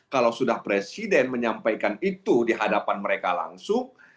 kalau sudah presiden menyampaikan itu di hadapan mereka langsung